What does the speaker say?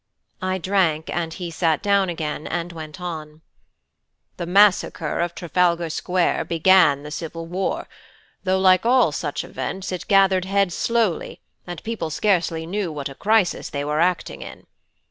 I drank, and he sat down again and went on. "That massacre of Trafalgar Square began the civil war, though, like all such events, it gathered head slowly, and people scarcely knew what a crisis they were acting in.